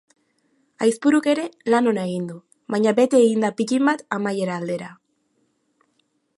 Aizpuruk ere lan ona egin du, baina bete egin da pittin bat amaiera aldera.